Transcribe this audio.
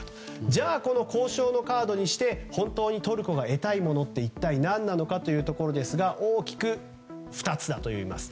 じゃあ、交渉のカードにして本当にトルコが得たいものが一体何なのかですが大きく２つだといいます。